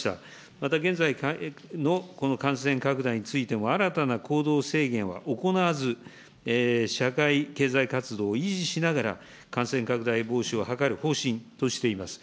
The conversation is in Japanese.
また現在の感染拡大についても、新たな行動制限は行わず、社会経済活動を維持しながら、感染拡大防止を図る方針としています。